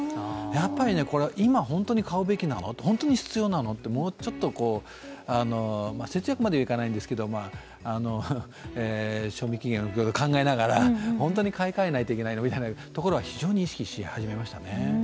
やっぱり今、買うべきなの？と本当に必要なの？ともうちょっと節約まではいかないんですけど賞味期限を考えながら本当に買い換えないといけないのか、非常に意識し始めましたね。